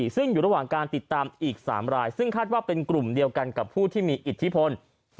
ซึ่งอยู่ระหว่างการติดตามอีก๓รายซึ่งคาดว่าเป็นกลุ่มเดียวกันกับผู้ที่มีอิทธิพล